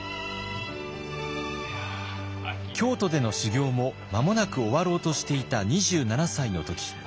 京都での修行も間もなく終わろうとしていた２７歳の時。